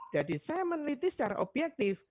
jadi saya meneliti secara objektif